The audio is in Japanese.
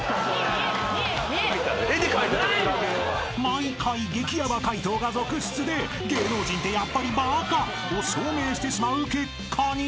［毎回激ヤバ解答が続出で「芸能人ってやっぱりバカ」を証明してしまう結果に］